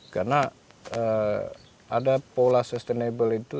karena ada pola sustainable itu